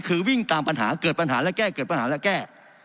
คือวิ่งตามปัญหาเกิดปัญหาและแก้เกิดปัญหาและแก้